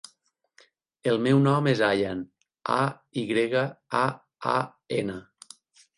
El meu nom és Ayaan: a, i grega, a, a, ena.